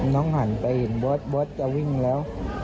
น้องหันไปเห็นเบอร์ดเบอร์ดจะวิ่งแล้ว